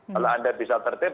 kalau anda bisa tertip